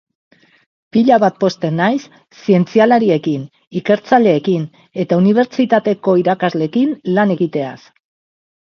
Pila bat pozten naiz zientzialariekin, ikertzaileekin eta unibertsitateko irakasleekin lan egiteaz.